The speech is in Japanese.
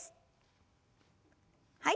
はい。